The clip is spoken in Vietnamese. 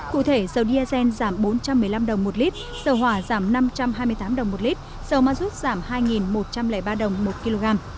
cụ thể dầu diesel giảm bốn trăm một mươi năm đồng một lít dầu hỏa giảm năm trăm hai mươi tám đồng một lít dầu ma rút giảm hai một trăm linh ba đồng một kg